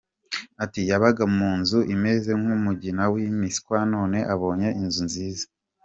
Ati “Yabaga mu nzu imeze nk’umugina w’imiswa none abonye inzu nziza.